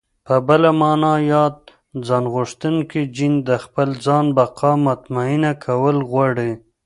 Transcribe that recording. په بله مانا ياد ځانغوښتونکی جېن د خپل ځان بقا مطمينه کول غواړي.